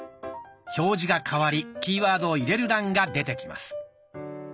表示が替わりキーワードを入れる欄が出てきます。